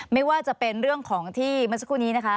ไม่ว่าจะเป็นเรื่องของที่เมื่อสักครู่นี้นะคะ